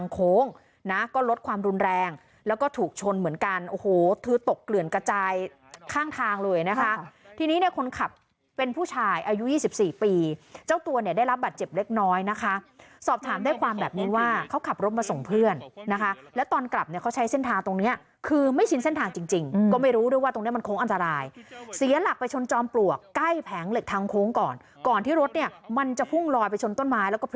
โค้งนะก็ลดความรุนแรงแล้วก็ถูกชนเหมือนกันโอ้โหถือตกเกลื่อนกระจายข้างทางเลยนะคะทีนี้เนี้ยคนขับเป็นผู้ชายอายุยี่สิบสี่ปีเจ้าตัวเนี้ยได้รับบัตรเจ็บเล็กน้อยนะคะสอบถามได้ความแบบนี้ว่าเขาขับรถมาส่งเพื่อนนะคะแล้วตอนกลับเนี้ยเขาใช้เส้นทางตรงเนี้ยคือไม่ชินเส้นทางจริงจริงอืมก็ไม่รู้ด้วยว่าต